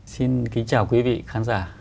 xin kính chào quý vị khán giả